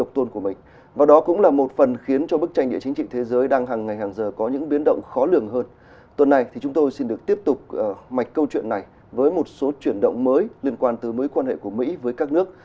tuần này thì chúng tôi xin được tiếp tục mạch câu chuyện này với một số chuyển động mới liên quan tới mối quan hệ của mỹ với các nước